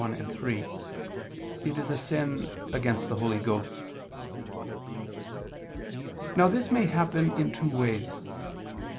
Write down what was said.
1, 3), it is a sin "against the Holy Ghost." Now this may happen in two ways.